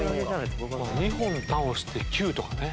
２本倒して９とかね。